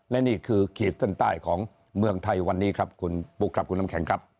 และนี่คือขีดเส้นใต้ของเมืองไทยวันนี้ครับคุณปุ๊กครับคุณน้ำแข็งครับ